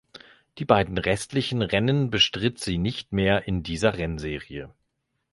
Die beiden restlichen Rennen bestritt sie nicht mehr in dieser Rennserie.